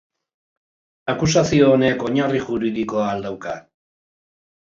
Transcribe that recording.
Akusazio honek oinarri juridikoa al dauka?